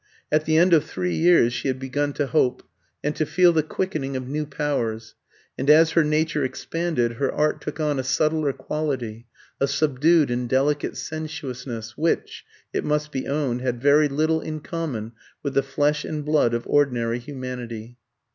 At the end of three years she had begun to hope, and to feel the quickening of new powers; and as her nature expanded, her art took on a subtler quality, a subdued and delicate sensuousness, which, it must be owned, had very little in common with the flesh and blood of ordinary humanity.